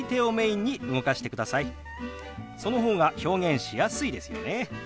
その方が表現しやすいですよね。